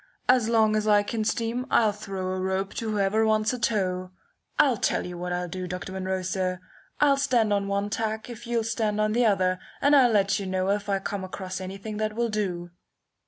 As long as I can steam I'll throw a rope to whoever wants a tow. I'll tell you what I'll do, Dr. Munro, sir. I'll stand on one tack if you'll stand on the other, and I'll let you know if I come across anything that will do."